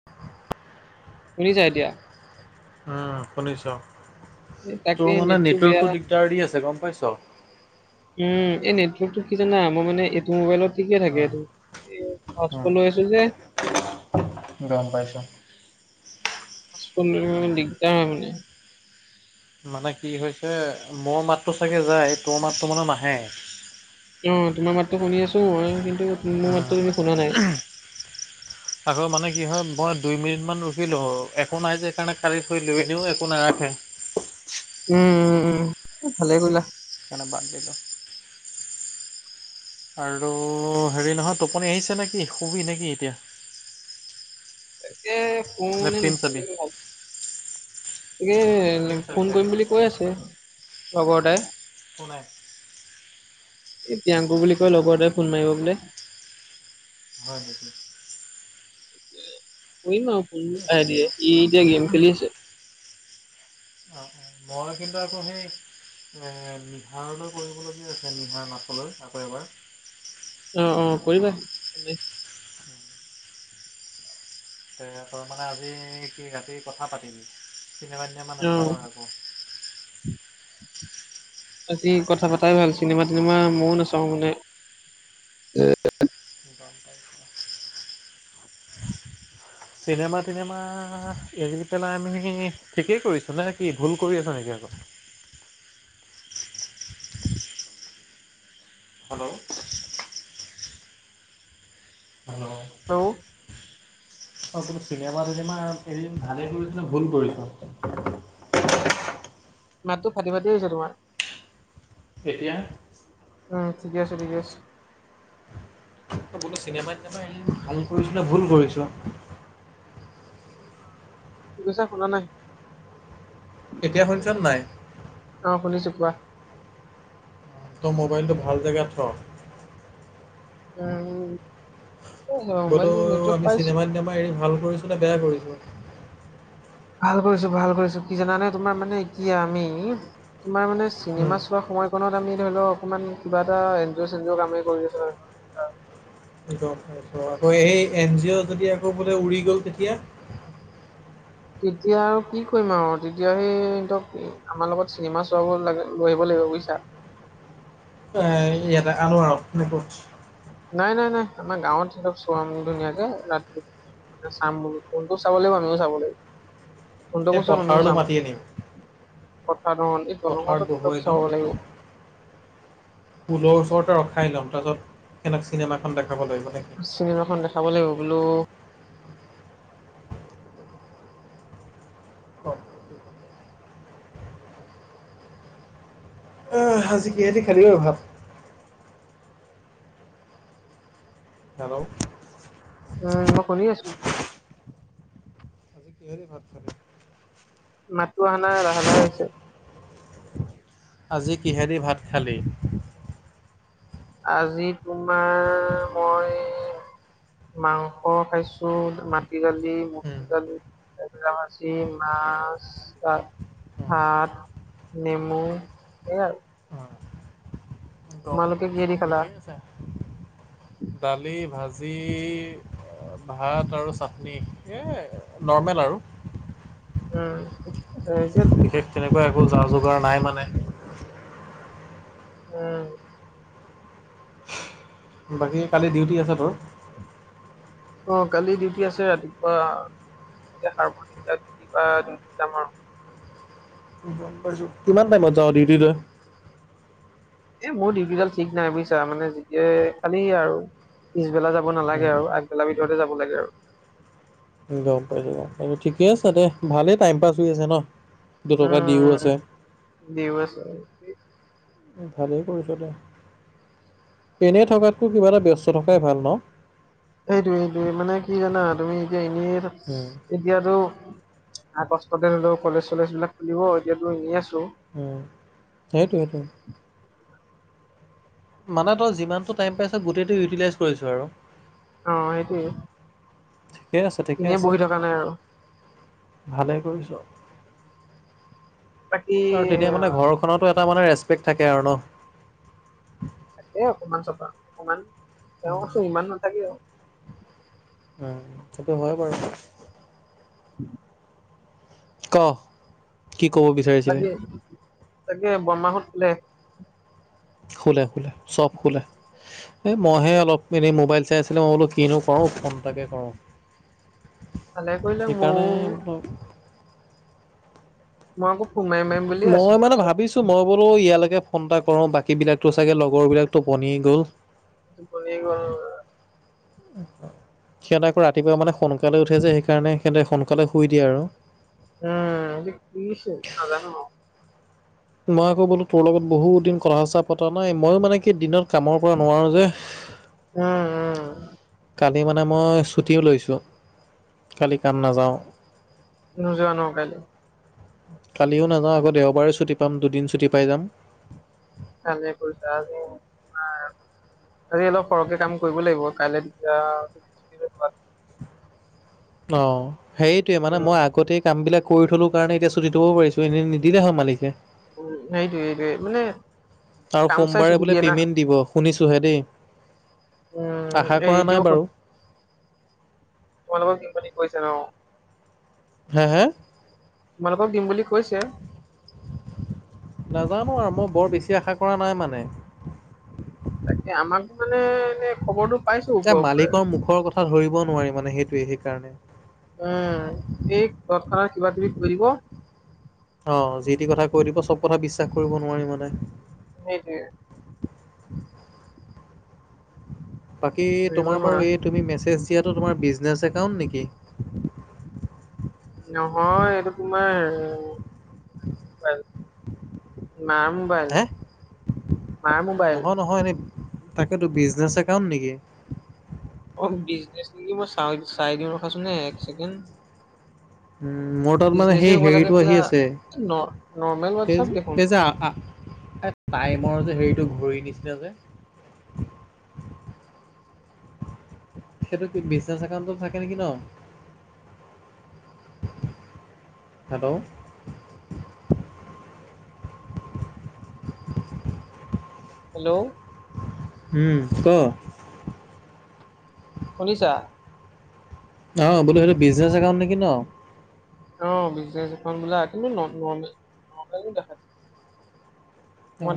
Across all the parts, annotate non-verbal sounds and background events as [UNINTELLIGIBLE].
[UNINTELLIGIBLE] শুনিছা এতিয়া উম শুনিছো এ তাকে তোৰ মানে নেটটো বেয়া। নেটৱৰ্কটো দিগদাৰ দি আছে গম পাইছ উম এই নেটৱৰ্কটো কি জানা মোৰ মানে এইটো মোবাইলত ঠিকে থাকে উম, এইটো উম, হৰ্চপৰ্ট লৈ আছো যে গম পাইছোঁ। হৰ্চপৰ্ট লৈ দিগদাৰ হয় মানে মানে কি হৈছে মোৰ মাতটো চাগে যায় তোৰ মাতটো মানে নাহে অ তোমাৰ মাততো শুনি আছো মই মোৰ মাতটো তুমি শুনা নাই। উম [INAUDIBLE] আকৌ মানে কি হয় মই দুই মিনিট মান ৰখিলো একো নাই যে সেইকাৰণে খালি থৈ দিলো এনেও একো নাৰাখে উম উম উম ভালে কৰিলা সেনেকে বাদ দিলো আৰু হেৰি নহয় টোপনি আহিছে নে কি শুবি নেকি এতিয়া তাকে কওঁ নে ফ্লিম নকওঁ ছাবি তাকে ভাব তাকে ফিল্ম চাবি ফোন চাগে? কৰিম বুলি কৈ আছে লগৰ এটাই সু নাই প্ৰিয়াংকুৰ বুলি কয় লগৰ এটাই ফোন মাৰিব বোলে হয় নেকি কৰিম আও ফোন ঠিক আছে। লাহে ধীৰে সি এতিয়া গেম খেলি আছে অ অ মই কিন্তু আকৌ সেই নে নিহাৰলৈ কৰিবলগীয়া আছে নিহাৰ মাকলৈ আকৌ এবাৰ অ অ কৰিবা মানে। [UNINTELLIGIBLE] তে তেহেতৰ মানে আজি কি ৰাতি কথা পাতিবি চিনেমা তিনেমা অ'। নেচাৱ আৰু একো আজি কথা পাতাই ভাল চিনেমা তিনেমা মও নাচাওঁ মানে [UNINTELLIGIBLE] [INAUDIBLE] চিনেমা টিনেমা এৰি পেলাই আমি ঠিকেই কৰিছো নে কি ভুল কৰি আছো নেকি আকৌ হেল্ল' হেল্ল হেল্ল' অ কিন্তু চিনেমা টিনেমা আৰু এৰি এইকেইদিন ভালে কৰিছ নে ভুল কৰিছ মাতটো ফাটি ফাটি আহিছে তোমাৰ এতিয়া উম ঠিকে আছে ঠিক আছে বোলো চিনেমা টিনেমা এৰি ভাল কৰিছো নে ভুল কৰিছো কি কৈছা শুনা নাই? এতিয়া শুনিছ নাই অ শুনিছো কোৱা তোৰ' মোবাইলটো ভাল জেগাত থ উম অ সেয়ত বলো আমি চিনেমা চিনেমা এৰি ভাল কৰিছো নে বেয়া কৰিছো ভাল কৰিছো ভাল কৰিছো কি জানানে তোমাৰ মানে কি আমি তোমাৰ মানে উম চিনেমা চোৱা সময় কনত আমি ধৰি লও অকনমান কিবা এটা এনজয় চেনজয় কামেই কৰি আছো আকৌ এই এন জি অ' যদি আকৌ বোলে উৰি গ'ল তেতিয়া তেতিয়া আৰু কি কৰিম আৰু তেতিয়া সেহতক আমাৰ লগত চিনেমা চোৱাব লাগে লৈ আহিব লাগিব বুজিছা এ ইয়াতে আল ন [UNINTELLIGIBLE] নাই নাই নাই আমাৰ গাঁৱত সিহঁতক চোৱা মানুহ নাই যে ৰাতি মানে চাম [UNINTELLIGIBLE] কোনটোও চাব লাগিব আমিও চাব লাগিব। এই [UNINTELLIGIBLE] আমিও পথাৰলৈ চাম। মাতি আনিম কথা [UNINTELLIGIBLE] পথাৰত বহুৱাই চাব ল'ম লাগিব। পুলৰ ওচৰতে ৰখাই ল'ম তাৰপাছত সেনেক চিনেমাখন দেখাব লাগিব মানে চিনেমা খন দেখাব লাগিব বোলোঁ আজি কিহেডি খালী অ, ভাত? হেল্ল'? উম, মই শুনি আছোঁ। কিহেদী ভাত খালী? মাতো অহানাই লাহে-লাহে আহিছে। আজি কিহেদি ভাত খালী? আজি তোমাৰ মই মাংস খাইছোঁ, মাটি দালি, উম মচুৰ দালি। এইবিলাক আছিল। মাছ, উম ভাত নেমু, সেইয়াই উম গম তোমালুকে পাইছোঁ কিহেদি খালা? ঠিকেই দালি, ভাজি যি ভাত আৰু চাটনি এই নৰ্মেল আৰু। উম, [UNINTELLIGIBLE] বিশেষ তেনেকুৱা একো যাৰ যোগাৰ নাই মানে। উম। বাকী কালি ডিউটি আছে তোৰ? অ', কালি ডিউটি আছে ৰাতিপুৱা [UNINTELLIGIBLE] যাম আৰু। গম পাইছোঁ। কিমান টাইমত যাওঁ ডিউটিলৈ? এই মোৰ ডিউটিডাল ঠিক নাই বুইচা। মানে যেতিয়া খালি আৰু পিছবেলা যাব নালাগে উম আৰু আগবেলাৰ ভিতৰতে যাব লাগে আৰু। গম পাইছোঁ ঠিকে আছে দে। ভালেই টাইম পাছ হৈ আছে ন, দুটকা দিও উম আছে? [UNINTELLIGIBLE] ভালেই কৰিছ দে। এনেই থকাতকৈ কিবা এটা ব্যস্ত থকাই ভাল ন? এইটোয়ে-এইটোয়ে মানে কি জানা? তুমি এতিয়া এনেই উম। এতিয়াতো আগষ্টতে হলেও কলেজ চলেজ বিলাক খুলিব, এতিয়াতো এনে আছোঁ। উম, সেইটোৱে-সেইটোৱে। মানে তই যিমানটো টাইম পাইছ গোটেইটো ইউটিলাইজ কৰিছ আৰু। অ', সেইটোৱে। ঠিকেই আছে-ঠিকে আছে, থকা নাই আৰু ভালেই কৰিছ। বাকী আৰু তেতিয়া মানে আহ, ঘৰখনতো এটা মানে ৰেচপেক্ট থাকে আৰু ন? থাকে অকমান চপা অকমান তেওঁ উম [UNINTELLIGIBLE] ইমান নাথাকে আৰু হয় সেইটো হয় বাৰু। উম [UNINTELLIGIBLE] ক? কি ক'ব বিচাৰে? তাকে বৰমাহত সোলে? হুলে-হুলে চব হুলে। এই মইহে অলপ এনেই মোবাইল চাই আছিলোঁ মই বোলোঁ কিনো কৰোঁ, ফোনটাকে কৰোঁ। ভালে কৰিলে সেইকাৰণে ময়ো বোলোঁ মই আকৌ ফুন মাইম মাইম মই মানে ভাবিছো? মই বোলো ইয়ালৈকে ফোন এটা কৰো বাকী বিলাকতো চাগে লগৰ বিলাক টোপনিয়ে গ'ল। টোপনি গ'ল। সিহঁতে আকৌ ৰাতিপুৱা মানে সোনকালে উঠে যে সেইকাৰণে সিহঁতে সোনকালে শুই দিয়ে আৰু। উম, এ কিছে নাজানো আৰু। মই আকৌ বোলো তোৰ লগত বহুত দিন কথা-চাথা পতা নাই, মইয়ো মানে কি দিনত কামৰ পৰা নোৱাৰো যে। উম, উম, কালি মানে মই ছুটিও লৈছোঁ, কালি কাম নাযাওঁ। নোযোৱা নহ কাইলে? কালিও নাযাওঁ আক দেওবাৰেও ছুটি পাম দুদিন ছুটি পাই যাম। ভালে কৰিছো আৰু আমাৰ আজি অলপ সৰহকে কাম কৰিব লাগিব। কাইলে তেতিয়া অ, সেইটয়ে মানে উম মই আগতে কাম বিলাক কৰি থলো কাৰণে এতিয়া ছুটি থব পাৰিছো এনে নিদিলে হয় মালিকে। উম, সেইটোৱে-সেইটোৱে মানে আৰু কাম চাই সোমবাৰে চুটি বোলে দিয়ে না। পে'মেণ্ট দিব শুনিছোঁহে দেই উম আশা এই কৰা নাই এতিয়াও বাৰু। সুধ- তোমালোকক দিম বুলি কৰিছে ন। হা, হা, তোমালোকক দিম বুলি কৈছে। নাজানো আৰু মই বৰ বেছি আশা কৰা নাই মানে। তাকে আমাক মানে এনে খবৰটো পাইছো এ ওপৰৰ পৰাই মালিকৰ মুখৰ কথা ধৰিব নোৱাৰি মানে সেইটোৱে সেইকাৰণে। উম, এই ঘৰখনৰ কিবা কিবি কৰিব। অ, যি টি কথা কৈ দিব চব কথা বিশ্বাস কৰিব নোৱাৰি মানে। সেইটোৱে। বাকী ধৰিব তোমাৰ নোৱাৰা বাৰু এই তুমি মেছেজ দিয়াটো তোমাৰ বিজনেছ একাউণ্ট নেকি? নহয় এইটো তোমাৰ মাৰ মোবাইল, হে? মাৰ মোবাইল। নহয় নহয় এনেই তাকেতো বিজনেছ একাউণ্ট নেকি? অ, বিজনেছ নেকি মই চ চাইদিও ৰখাছোন দে এক চছেকেণ্ড। উম, মোৰ তাত মানে সেই হ'ব লাগে হেৰিটো বোলা আহি আছে। ন' নৰ্মেল হোৱাটছআপ দেখোন এই-এই যে টাইমৰ যে হেৰিটো ঘূৰি নিচিনা যে, সেইটো বিজনেচ একাউণ্টত থাকে নেকি ন। হেল্ল', হেল্ল', উম, ক? শুনিছা, অ, বোলো সেইটো বিজনেছ একাউণ্ট নেকি ন? অ, বিজনেজ একাউণ্ট বোলে কিন্তু নৰ্মেল দেখুৱাই অ,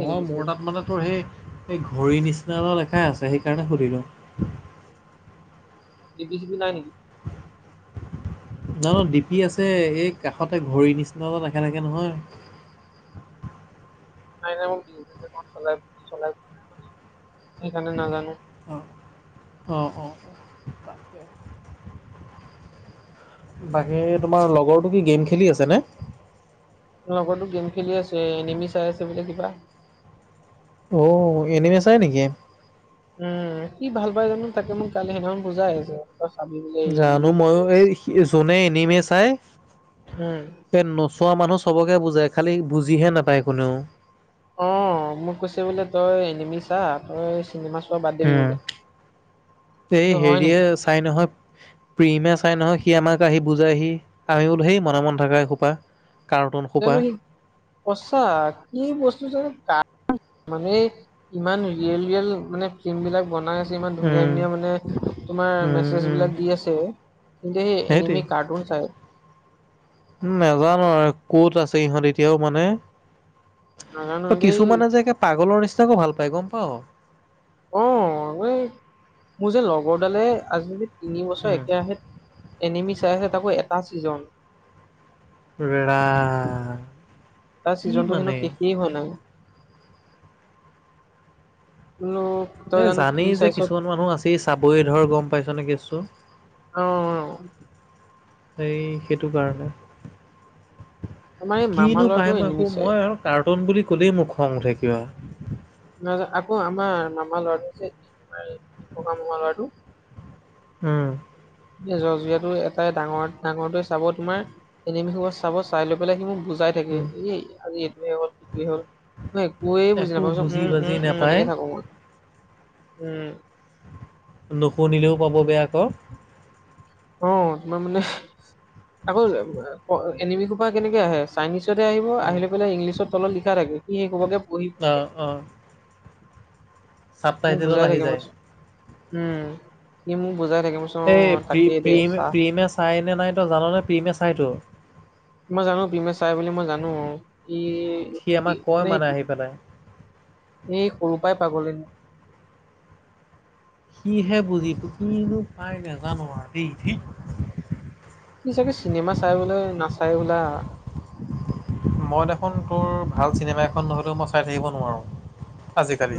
নেকি মোৰ বিজনেচ তাত মানে তোৰ সেই এই ঘড়ীৰ নিচি দেখাই আছে সেইকাৰণে সুধিলোঁ? ডি পি চি পি নাই নেকি? ভিতৰত দিপি আছে এই কাষতে ঘড়ীৰ নিচিনা দেখাই থাকে নহয়। নাই নাই [UNINTELLIGIBLE] সেইকাৰণে নাজানো অ, অ, অ, তাকে। বাকী তোমাৰ লগৰটো কি গেম খেলি আছে নে? লগতো গেম খেলি আছে এনিমি চাই আছে বোলে কিবা। অ এনেমে চাই নেকি? উম কি ভাল পাই জানো তাকে মোক কালি সেইদিনাখন বুজাই আহিছে তই চাবি বোলে এগিৰি কি য়েছে। এ যোনে এনিমিয়ে চাই। উম। পে নোচোৱা মানুহ চবকে বুজায় খালী বুজিহে নাপায় কোনেও। অ মোক কৈছে বোলে তই এনেমি ছা তই চিনেমা চোৱা বাদ দিবি উম, বোলে। এই কৈছো হয় নেকি? হেৰিয়ে চাই নহয় প্ৰিমে চাই নহয় সি আমাক আহি বুজাই হি আমি বোলো হেই মনে মনে থকা এ খোপা। জানো সি কচাক কি বস্তু জানো কাক মানে ইমান ৰিয়েল ৰিয়েল মানে ফিল্ম বিলাক বনাই আছ- ইমান ধুনীয়া উম ধুনীয়া মানে তোমাৰ উম, মেছেজ উম, বিলাক দি আছে। দে সেই সেইটোৱে এনিমি কাৰ্টুন চাই। উম, নাজানো আৰু ক'ত আছে ইহঁত এতিয়াও মানে। নাজানো দেই কিছুমানে যে পাগলৰ নিচিনাকো ভাল পায় গম পাও। অ এই মোৰ যে লগৰ দালে আজি যদি তিনি বছৰ উম, একে ৰাহে এনিমি চাই আছে তাকো এটা ছিজন। ৰাম তাৰ কি ছিজনটো হেনো মানে শেষেই হোৱা নাই। ল এ জানেই যে কিছুমান মানুহ আছেই চাবই ধৰ গম পাইছ নে কেছটো। অ অ। সেই সেইটো কাৰণে। আমাৰ এই মামা কিনো ল'ৰাটো পাই মই একো এনিমি চাই মই আৰু কাৰ্টুন বুলি ক'লেই মোৰ খং উঠে কিবা। নহয় যে আকৌ আমাৰ মামাৰ ল'ৰাটোযে [UNINTELLIGIBLE] অকৱা মকৱা ল'ৰাটো উম। এ জৰ্জৰাটো এটাই ডাঙৰ ডাঙৰটোৱে চাব তোমাৰ এনেমি সোপা চাব চাই লৈ পেলাই সি মোৰ বুজাই থাকে উম, এই আজি এইটোৱে হ'ল সেইটোৱে হ'ল। একোৱে বুজি একো নাপাওঁ চোন উম বাজি উম উম নাপায় এনেকে থাকো মই, উম। নুশুনিলেও পাব বেয়া আক। অ তোমাৰ মানে আকৌ এনিমি সোপা কেনেকে আহে। চাইনিচতে আহিব উম, আহিলে পেলাই ইংলিছত তলত লিখা থাকে সি সেই সোপাকে পঢ়ি পঢ়ি অ থাকে অ। চাব মোক টাইটেলত বুজাই আহি থাকে যায় [UNINTELLIGIBLE] উম সি মোক বুজাই থাকে [UNINTELLIGIBLE] এই প্ৰি তাকেই দে প্ৰি চা প্ৰিমে চাইনে নাই তই জাননেে প্ৰিমে চাইটো। মই জানো প্ৰিমে চাই বুলি মই জানো। ই, সি আমাক ই কয় মানে আহি পেলাই সি সৰুৰ পৰাই পাগলীন সিহে বুজি কিনো পাই নোজানো আৰু দেই ধেইত সি চাগে চিনেমা চাই বোলে নাচাই বোলা মই দেখোন তোৰ ভাল চিনেমা এখন নহ'লেও মই চাই থাকিব নোৱাৰো।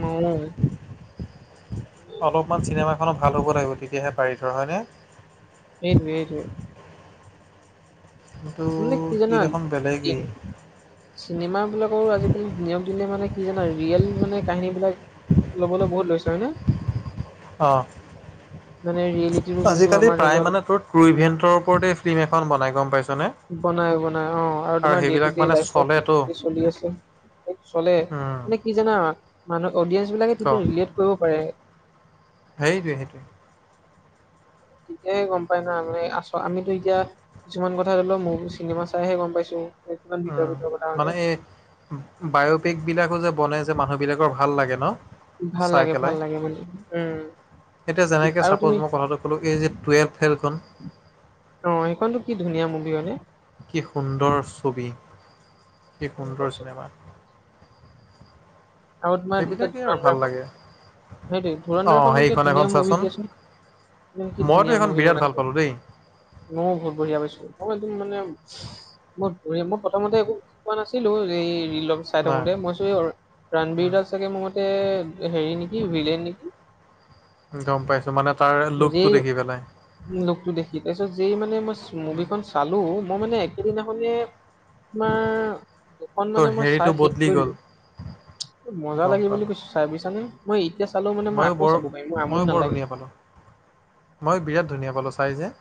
মোও অলপমান চিনেমাখনো ভাল হ'ব লাগিব তেতিয়াহে পাৰি ধৰ হয়নে? এইটোৱে এইটোৱে কিন্তু মানে কি সি জানা দেখোন দি বেলেগেই চিনেমা বিলাকৰো আজিকালি নিয়ম দিলে মানে কি জানা ৰিয়েল মানে কাহিনী বিলাক ল'বলৈ বহুত লৈছে হয় নে? অঁ মানে ৰিয়েলিটিটো যোনটো আমাৰ ধৰি লওক। ক্ৰু ইভেণ্টৰ ওপৰতে ফিল্ম এখন বনাই গম পাইছনে। বনাই বনাই অ আৰু তোমাৰ দে টো সেইবিলাক দে মানে লাইফত চলেতো কি চলি আছে। চলে উম, মানে কি জানা মানুহ অডিয়েন্ঞ্চ বিলাকে ক কেতিয়াও ৰিলেট কৰিব পাৰে। সেইটোৱে সেইটোৱে তেতিয়াই গম পাই না আমি আছ আমিতো এতিয়া কিছুমান কথ কথা হ'লেও মোৰ চিনেমা চাইহে গম পাইছোঁ উম মানে এই বায়োপিক বিলাকো যে বনে যে মানুহ বিলাকৰ ভাল লাগে ন ভাল চাই লাগে ভাল লাগে মানে উম সেইটোৱে যেনেকে আৰু চাপোজ তুমি মই কথাটো ক'লো এই যে টুৱেলভ ফেইলখন অ সেইখনটো কি ধুনীয়া মুভি হয়নে কি সুন্দৰ ছবি কি সুন্দৰ চিনেমা আগত তোমাৰ এতিয়া সেইবিলাকেই আৰু ভাল ধুৰণ্ডৰখন লাগে। সেইটোৱে অঁ ধুৰণ্ডৰখনো এতিয়া সেইখন এখন ধুনীয়া মুভি চাচোন দিয়াচোন কি মইতো ধুনীয়া এইখন মুভি বিৰাট ভাল বনাইছিল পালোঁ দেই নৌ বহুত বঢ়িয়া পাইছো অ একদম মানে বহুত বঢ়িয়া মই প্ৰথমতে একো কোৱা নাছিলো এই ৰিলৰ চাই নাই থাকোঁতে মই চো ৰণবীৰ উম। দাস চাগে মোৰ মতে এ হেৰি নেকি ভিলেন নেকি গম পাইছো মানে তাৰ লুকতটো দেখি পেলাই উ লোকতটো দেখি তাৰ পিছত যেই মানে মই উম, মুভিখন চালো মই মানে একেদিনাখনে তোমাৰ দুখন তোৰ মানে মই হেৰিটো চাই শেষ বদলি গ'ল কৰিলো মজা গম লাগিল বুলি পালোঁ কৈছো চাই বুইছানে মই এতিয়া চালো মানো মই ময়ো আকৌ বৰ চাব পাৰিম মোৰ ময়ো আমনি বৰ নালাগে ধুনীয়া পালোঁ। মই বিৰাট ধুনীয়া পালোঁ চাই যে